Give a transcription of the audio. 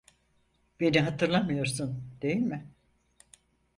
Beni hatırlamıyorsun, değil mi?